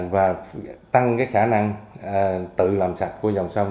và tăng cái khả năng tự làm sạch của dòng sông